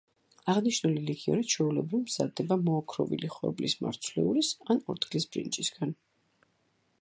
აღნიშნული ლიქიორი ჩვეულებრივ მზადდება მოოქროვილი ხორბლის მარცვლეულის ან ორთქლის ბრინჯისგან.